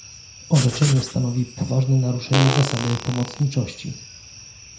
orzeczenie stanowi poważne naruszenie zasady pomocniczości